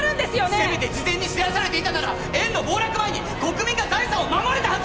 せめて事前に知らされていたなら円の暴落前に国民が財産を守れたはずですよね！？